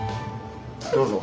どうぞ。